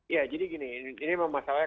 ya jadi gini ini memang masalahnya